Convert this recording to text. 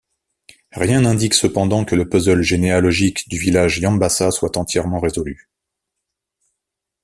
Rien n'indique cependant que le puzzle généalogique du village Yambassa soit entièrement résolu.